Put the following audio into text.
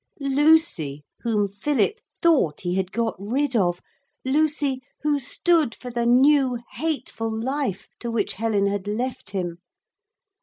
Lucy, whom Philip thought he had got rid of Lucy, who stood for the new hateful life to which Helen had left him.